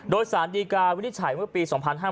โดยสารดีกาวินิจฉัยเมื่อปี๒๕๕๙